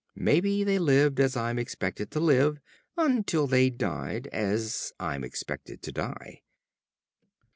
Maybe they lived as I'm expected to live until they died as I'm expected to die."